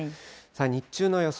日中の予想